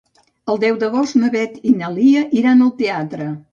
El deu d'agost na Beth i na Lia iran al teatre.